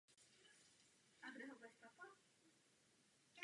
Počet hvězd představuje počet let zrání směsi v sudu.